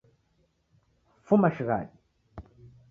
Fuma shighadi